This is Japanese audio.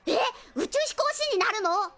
宇宙飛行士になるの？